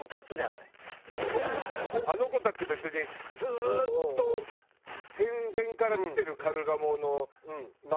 あの子たち別にずーっと戦前から来てるカルガモの末裔ではないわけでしょ。